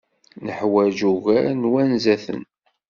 Neḥwaǧ ugar n wanzaten.